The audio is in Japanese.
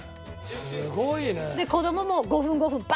すごいね。